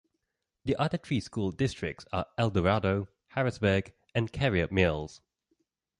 The other three school districts are Eldorado, Harrisburg, and Carrier Mills.